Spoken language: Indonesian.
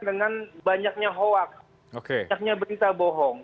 dengan banyaknya hoak banyaknya berita bohong